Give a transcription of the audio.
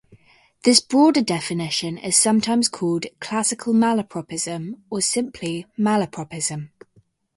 This broader definition is sometimes called "classical malapropism", or simply "malapropism".